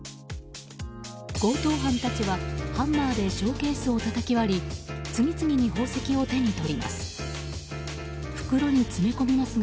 強盗犯たちは、ハンマーでショーケースをたたき割り次々に宝石を手に取ります。